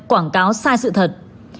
quảng cáo sai sự thật